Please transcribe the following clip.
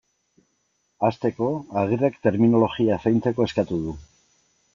Hasteko, Agirrek terminologia zaintzeko eskatu du.